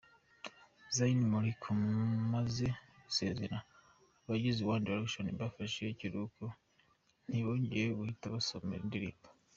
Zayn Malik amaze gusezera, abagize One Direction bafashe ikiruhuko ntibongera guhita basohora indirimbo.